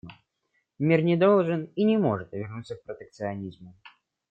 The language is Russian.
Мир не должен и не может вернуться к протекционизму.